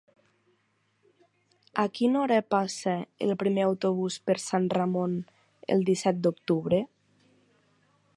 A quina hora passa el primer autobús per Sant Ramon el disset d'octubre?